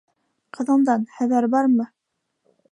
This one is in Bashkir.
Ҡыҙыңдан хәбәр бармы?